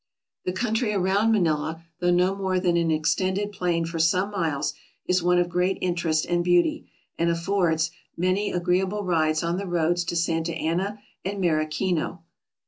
The country around Manila, though no more than an 410 TRAVELERS AND EXPLORERS extended plain for some miles, is one of great interest and beauty, and affords many agreeable rides on the roads to Santa Anna and Maraquino.